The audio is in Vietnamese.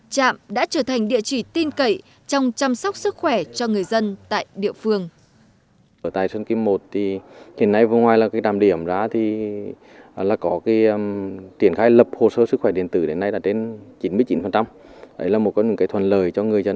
trạm đã trở thành địa chỉ tin cậy trong chăm sóc sức khỏe cho người dân tại địa phương